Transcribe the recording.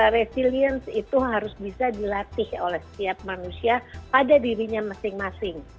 resilience itu harus bisa dilatih oleh setiap manusia pada dirinya masing masing